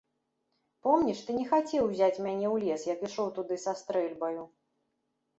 Помніш, ты не хацеў узяць мяне ў лес, як ішоў туды са стрэльбаю.